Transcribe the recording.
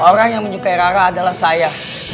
orang yang menyukai rara adalah saya